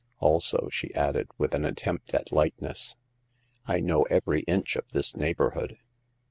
Also," she added, with an attempt at lightness, " I know every inch of this neighborhood."